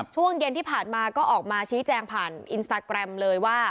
ช่วงเย็นที่ผ่านมาก็ออกมาชี้แจงผ่านอินสตาแกรมเลยว่า